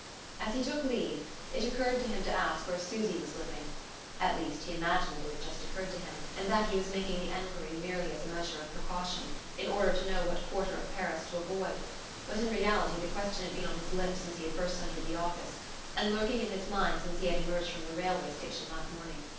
As he took leave it occurred to him to ask where Susy was living. At least he imagined that it had just occurred to him, and that he was making the enquiry merely as a measure of precaution, in order to know what quarter of Paris to avoid; but in reality the question had been on his lips since he had first entered the office, and lurking in his mind since he had emerged from the railway station that morning.